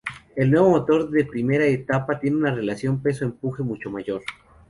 El nuevo motor de primera etapa tiene una relación peso-empuje mucho mayor.